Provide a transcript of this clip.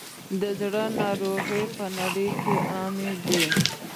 د زړه ناروغۍ په نړۍ کې عامې دي.